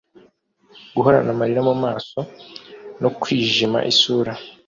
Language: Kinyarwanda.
Guhorana amarira mu maso no kwijima isura